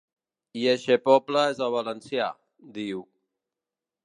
I eixe poble és el valencià, diu.